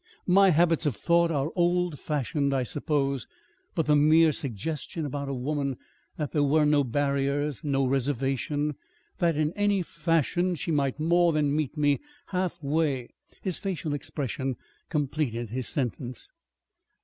My habits of thought are old fashioned, I suppose, but the mere suggestion about a woman that there were no barriers, no reservation, that in any fashion she might more than meet me half way..." His facial expression completed his sentence.